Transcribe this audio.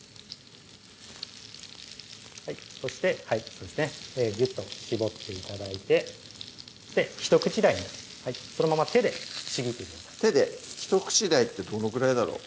そしてはいそうですねギュッと絞って頂いて一口大にそのまま手でちぎってください手で一口大ってどのぐらいだろう？